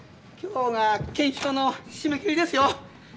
今日が懸賞の締め切りですよ。